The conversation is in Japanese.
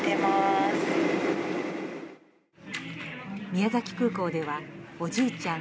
宮崎空港ではおじいちゃん